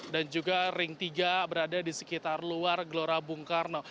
dan juga ring tiga berada di sekitar luar gelora bung karno